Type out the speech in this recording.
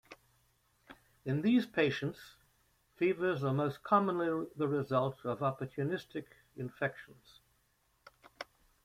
In these patients fevers are most commonly the result of opportunistic infections.